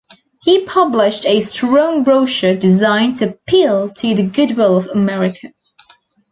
He published a strong brochure designed to appeal to the good will of America.